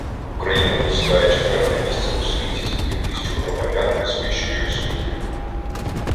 Україна посідає четверте місце у світі за кількістю громадян із вищою освітою